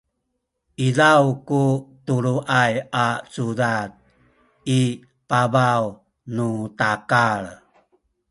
izaw ku tuluay a cudad i pabaw nu takal